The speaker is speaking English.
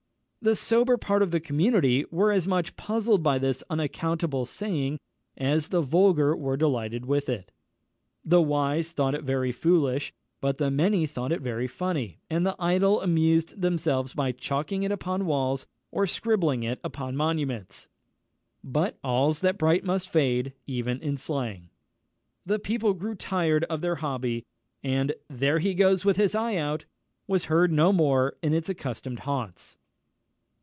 The sober part of the community were as much puzzled by this unaccountable saying as the vulgar were delighted with it. The wise thought it very foolish, but the many thought it very funny, and the idle amused themselves by chalking it upon walls, or scribbling it upon monuments. But "all that's bright must fade," even in slang. The people grew tired of their hobby, and "There he goes with his eye out!" was heard no more in its accustomed haunts.